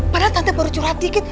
padahal anda baru curhat dikit